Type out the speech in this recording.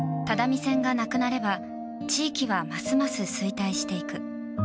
只見線がなくなれば地域はますます衰退していく。